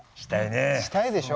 したいでしょ。